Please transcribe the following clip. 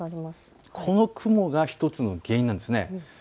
この雲が１つの原因なんです。